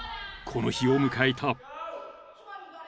この日を迎えた］